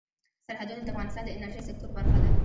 سرحدونه د افغانستان د انرژۍ سکتور برخه ده.